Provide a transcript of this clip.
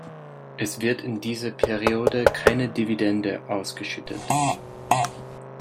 Es wird in dieser Periode keine Dividende ausgeschüttet.